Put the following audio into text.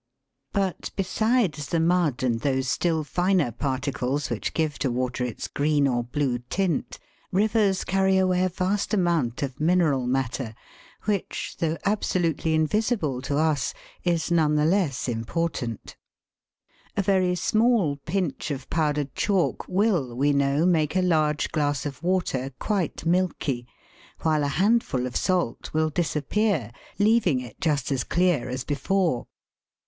But besides the mud and those still finer particles which give to water its green or blue tint, rivers carry away a vast amount of mineral matter, which, though absolutely invisible to us, is none the less important A very small pinch of powdered chalk will, we know, make a large glass of water quite milky, while a handful of salt will disappear, leaving it just as clear as before.